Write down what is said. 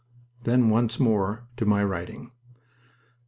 Then once more to my writing...